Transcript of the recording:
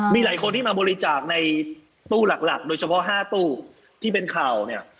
มีหลายคนที่มาบริจาคในตู้หลักโดยเฉพาะ๕ตู้ที่เป็นข่าวเนี่ย